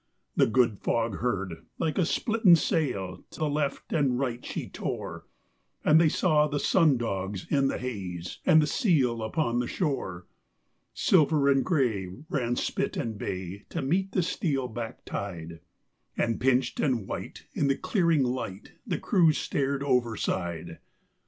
The good fog heard like a splitten sail, to left and right she tore, And they saw the sun dogs in the haze and the seal upon the shore. Silver and gray ran spit and bay to meet the steel backed tide, And pinched and white in the clearing light the crews stared overside.